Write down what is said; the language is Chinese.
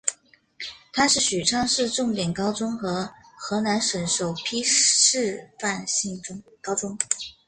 它是许昌市重点高中和河南省首批示范性高中。